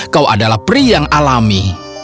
kau adalah pria yang alami